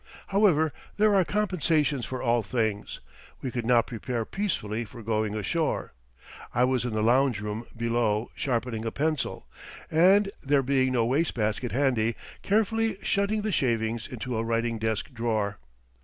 However, there are compensations for all things; we could now prepare peacefully for going ashore. I was in the lounge room below sharpening a pencil, and, there being no waste basket handy, carefully shunting the shavings into a writing desk drawer.